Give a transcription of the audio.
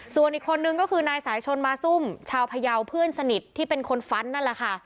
ส่วนอีกคนนึงก็คือนายสายชนมาซุ่มชาวพยาวเพื่อนสนิทที่เป็นคนฟันนั่นแหละค่ะ